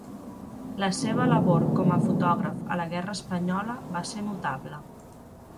La seva labor com a fotògraf a la guerra espanyola va ser notable.